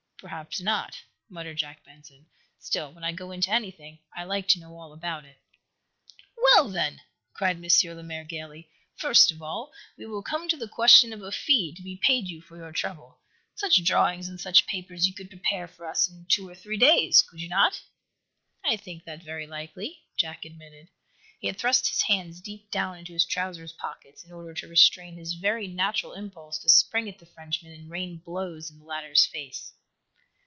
"Perhaps not," muttered Jack Benson. "Still, when I go into anything, I like to know all about it." "Well, then," cried M. Lemaire, gayly, "first of all, we will come to the question of a fee to be paid you for your trouble. Such drawings and such papers you could prepare for us in two or three days, could you not?" "I think that very likely," Jack admitted. He had thrust his hands deep down into his trousers pockets, in order to restrain his very natural impulse to spring at the Frenchman and rain blows in the latter's face.